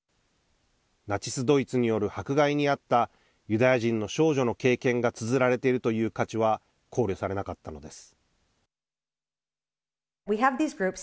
ナチス・ドイツによる迫害に遭ったユダヤ人の少女の経験がつづられているという価値は考慮されなかったのです。